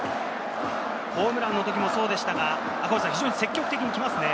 ホームランのときもそうでしたが、非常に積極的に行きますね。